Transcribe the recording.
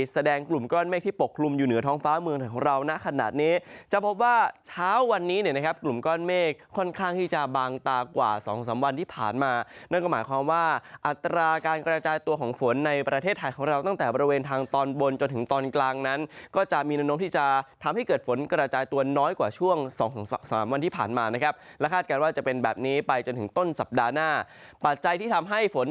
แสดงกลุ่มก้อนเมฆที่ปกลุ่มอยู่เหนือท้องฟ้าเมืองของเรานะขนาดนี้จะพบว่าเช้าวันนี้เนี่ยนะครับกลุ่มก้อนเมฆค่อนข้างที่จะบางตากว่าสองสามวันที่ผ่านมาเนื่องกับหมายความว่าอัตราการกระจายตัวของฝนในประเทศอาทิตย์ของเราตั้งแต่บริเวณทางตอนบนจนถึงตอนกลางนั้นก็จะมีอนมที่จะทำให้เกิดฝนกระจายตั